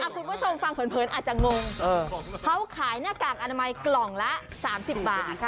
คุณผู้ชมฟังเผินอาจจะงงเขาขายหน้ากากอนามัยกล่องละ๓๐บาท